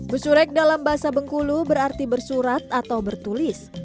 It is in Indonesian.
besurek dalam bahasa bengkulu berarti bersurat atau bertulis